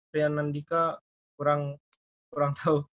rian andika kurang kurang tau